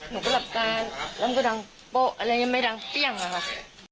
หนูก็หลับตาแล้วหนูก็ดังโปะอะไรอย่างเงี้ยไม่ดังเปี้ยงอ่ะครับ